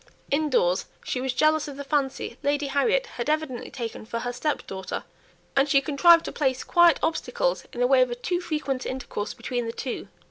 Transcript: Indoors she was jealous of the fancy Lady Harriet had evidently taken for her step daughter, and she contrived to place quiet obstacles in the way of a too frequent intercourse between the two.